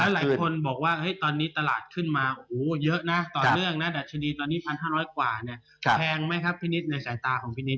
หลายคนบอกว่าตอนนี้ตลาดขึ้นมาเยอะนะต่อเนื่องนะดัชนีตอนนี้๑๕๐๐กว่าเนี่ยแพงไหมครับพี่นิดในสายตาของพี่นิด